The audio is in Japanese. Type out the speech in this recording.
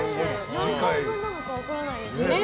何回分なのか分からないですけどね。